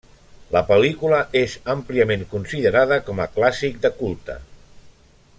La pel·lícula és àmpliament considerada com a clàssic de culte.